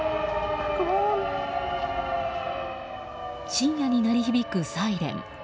深夜に鳴り響くサイレン。